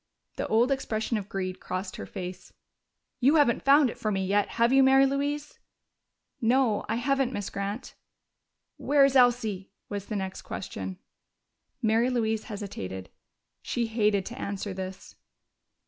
The old expression of greed crossed her face. "You haven't found it for me yet, have you, Mary Louise?" "No, I haven't, Miss Grant." "Where is Elsie?" was the next question. Mary Louise hesitated: she hated to answer this.